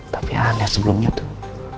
tapi aneh sebelumnya tuh